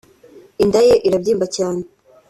inda ye irabyimba cyane